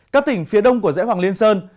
các tỉnh phía đông của dãy hoàng liên sơn